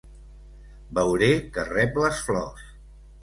Veuré que rep les flors.